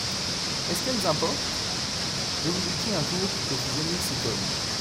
Est-ce qu'elles importent ? Je vous ai dit un jour que vous aimiez cet homme.